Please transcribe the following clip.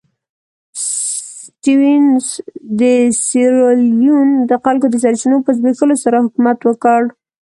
سټیونز د سیریلیون د خلکو د سرچینو په زبېښلو سره حکومت وکړ.